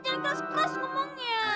jadi keras keras ngomongnya